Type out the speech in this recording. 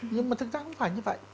nhưng mà thực ra không phải như vậy